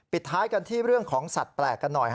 ท้ายกันที่เรื่องของสัตว์แปลกกันหน่อย